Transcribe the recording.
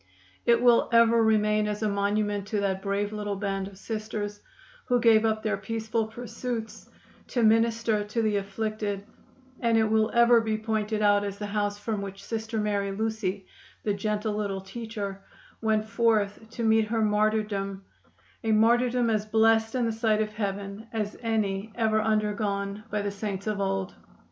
It will ever remain as a monument to that brave little band of Sisters who gave up their peaceful pursuits to minister to the afflicted, and it will ever be pointed out as the house from which Sister Mary Lucy, the gentle little teacher, went forth to meet her martyrdom a martyrdom as blessed in the sight of heaven as any ever undergone by the saints of old.